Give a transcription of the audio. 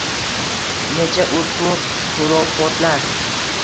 Necha urfu hurofotlar